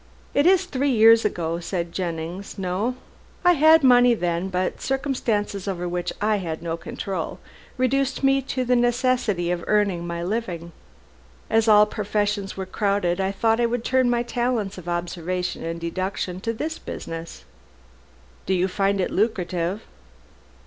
"It is three years ago," said Jennings; "no. I had money then, but circumstances over which I had no control soon reduced me to the necessity of earning my living. As all professions were crowded, I thought I would turn my talents of observation and deduction to this business." "Do you find it lucrative?"